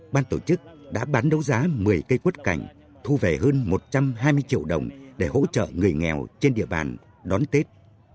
ban tổ chức đã bán đấu giá một mươi cây quất cảnh thu về hơn một trăm hai mươi triệu đồng để hỗ trợ người nghèo trên địa bàn đón tết